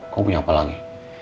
kamu punya apa lagi